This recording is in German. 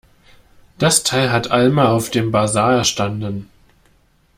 Das Teil hat Alma auf dem Basar erstanden.